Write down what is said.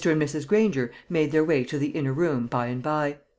and Mrs. Granger made their way to the inner room by and by.